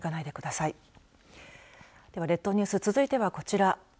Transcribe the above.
では列島ニュース続いてはこちら。